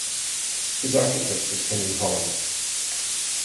His architect was Henry Holland.